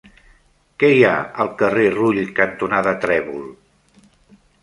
Què hi ha al carrer Rull cantonada Trèvol?